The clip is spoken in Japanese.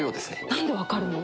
なんで分かるの？